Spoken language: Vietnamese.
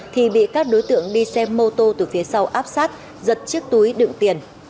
thì bị các đối tượng đi xe mô tô từ phía sau áp sát giật chiếc túi đựng tiền